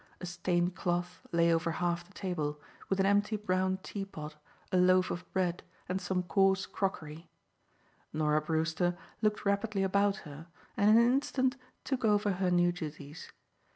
A stained cloth lay over half the table, with an empty brown teapot, a loaf of bread, and some coarse crockery. Norah Brewster looked rapidly about her, and in an instant took over her new duties.